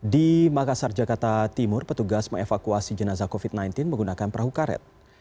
di makassar jakarta timur petugas mengevakuasi jenazah covid sembilan belas menggunakan perahu karet